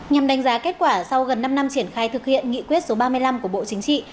nhằm đánh giá kết quả sau gần năm năm triển khai thực hiện nghị quyết số ba mươi năm của bộ chính trị